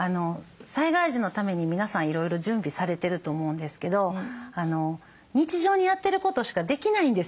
災害時のために皆さんいろいろ準備されてると思うんですけど日常にやってることしかできないんですよ。